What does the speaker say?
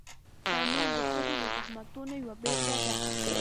تنور د ښځو د زحمتونو یوه بېلګه ده